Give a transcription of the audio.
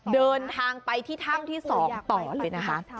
เดินทางไปที่ถ้ำที่๒ต่อเลยนะคะ